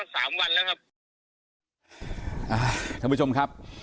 เช้าผู้ชมครับ